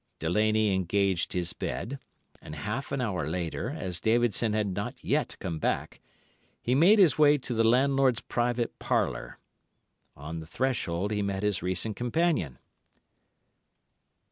"Delaney engaged his bed, and half an hour later, as Davidson had not yet come back, he made his way to the landlord's private parlour. On the threshold he met his recent companion.